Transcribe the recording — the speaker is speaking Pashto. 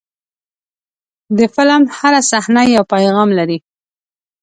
د فلم هره صحنه یو پیغام لري.